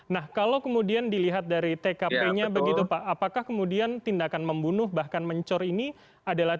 nah kalau kemudian dilihat dari tkp nya begitu pak apakah kemudian tindakan membunuh bahkan mencor ini adalah